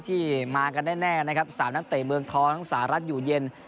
ที่มากันแน่นะครับ๓นักเตะเมืองท้องสหรัฐอยู่เย็น